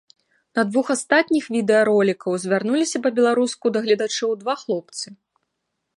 На двух астатніх відэаролікаў звярнуліся па-беларуску да гледачоў два хлопцы.